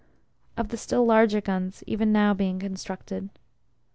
Of the still larger guns even now being constructed.